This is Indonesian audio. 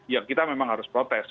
ya kita memang harus protes